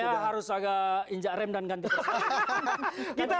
saya harus agak injak rem dan ganti persen